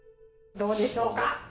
どうでしょうか？